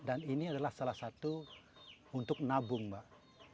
dan ini adalah salah satu untuk nabung mbak